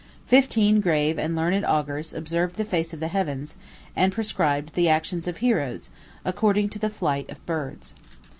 Fifteen grave and learned Augurs observed the face of the heavens, and prescribed the actions of heroes, according to the flight of birds.